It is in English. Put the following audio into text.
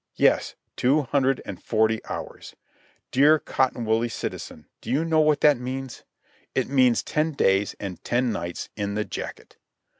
Yes, two hundred and forty hours. Dear cotton woolly citizen, do you know what that means? It means ten days and ten nights in the jacket.